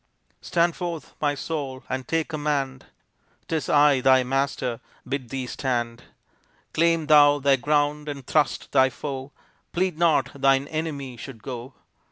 Stand forth, my soul, and take command. 'Tis I, thy master, bid thee stand. Claim thou thy ground and thrust thy foe, Plead not thine enemy should go.